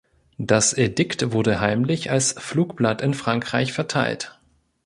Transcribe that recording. Das Edikt wurde heimlich als Flugblatt in Frankreich verteilt.